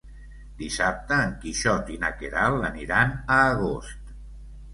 Dissabte en Quixot i na Queralt aniran a Agost.